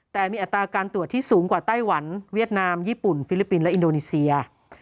แต่มีอัตราการตรวจที่สูงกว่าไต้หวันเวียดนามญี่ปุ่นฟิลิปปินส์และอินโดนีเซีย